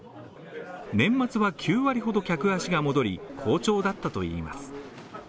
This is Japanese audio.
年末は９割ほど客足が戻り、好調だったといいます。